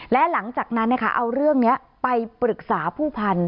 และหลังจากนั้นเอาเรื่องนี้ไปปรึกษาผู้พันธุ